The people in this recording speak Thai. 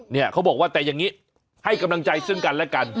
เนี่ยเขาบอกว่าแต่อย่างนี้ให้กำลังใจซึ่งกันและกัน